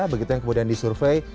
begitu yang kemudian disurvey